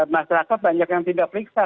masyarakat banyak yang tidak periksa